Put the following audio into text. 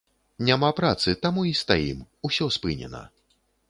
Няма працы, таму і стаім, ўсё спынена.